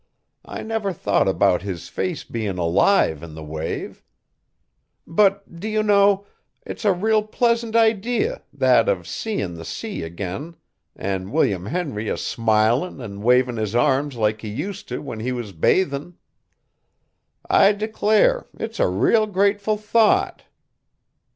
I never thought about his face bein' alive in the wave! But, do you know, it's a real pleasant idee, that of seein' the sea again an' William Henry a smilin' an' wavin' his arms like he use t' when he was bathin'! I declare it's a real grateful thought.